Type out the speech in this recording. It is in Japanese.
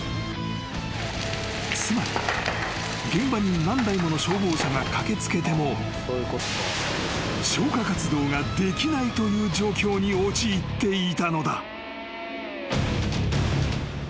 ［つまり現場に何台もの消防車が駆け付けても消火活動ができないという状況に陥っていたのだ］